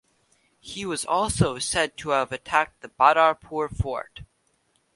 He was also said to have attacked the Badarpur Fort.